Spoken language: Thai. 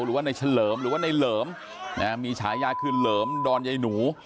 หรือว่าในเฉลิมหรือว่าในเหลิมมีฉายาคือเหลิมดอนใยหนู